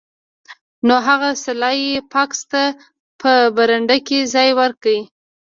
نو هغه سلای فاکس ته په برنډه کې ځای ورکړ